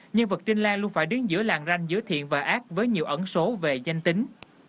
nhân vật trên lan luôn phải đứng giữa làng ranh giữa thiện và ác với nhiều ẩn số về danh tính